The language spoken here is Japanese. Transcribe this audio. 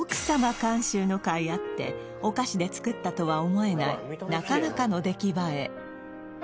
監修の甲斐あってお菓子で作ったとは思えないなかなかの出来栄え